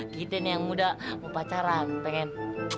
giden yang muda mau pacaran pengen